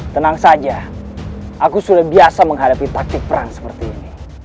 tenang saja aku sudah biasa menghadapi taktik perang seperti ini